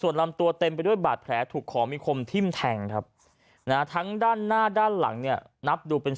อยู่กับเนื้อหมูอ่ะเอาอย่างนี้อ่ะ